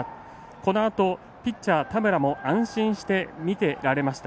このあとピッチャー田村も安心して見てられました。